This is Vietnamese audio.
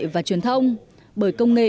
và truyền thông bởi công nghệ